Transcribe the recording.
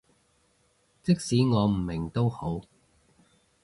即使我唔明都好